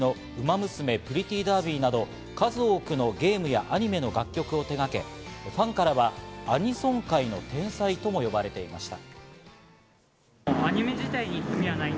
田中容疑者は今、アニメやゲームで人気の『ウマ娘プリティーダービー』など数多くのゲームやアニメの楽曲を手がけ、ファンからはアニソン界の天才とも呼ばれていました。